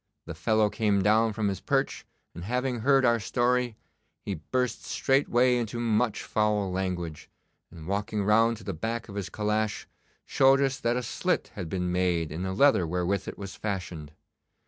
The fellow came down from his perch, and having heard our story, he burst straightway into much foul language, and walking round to the back of his calash, showed us that a slit had been made in the leather wherewith it was fashioned.